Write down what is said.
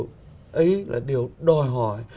đó là điều đòi hỏi